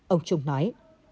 ông trung nói